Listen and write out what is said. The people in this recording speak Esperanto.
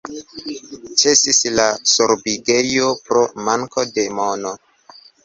Ĉesis la sobrigejo pro manko de mono.